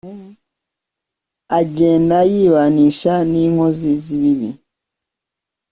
agenda yibanisha n’inkozi z’ibibi,